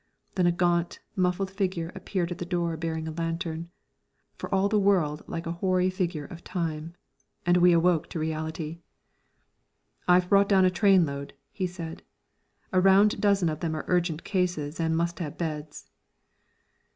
Then a gaunt, muffled figure appeared at the door bearing a lantern, for all the world like a hoary figure of "Time," and we awoke to reality. "I've brought down a trainload," he said. "A round dozen of them are urgent cases and must have beds."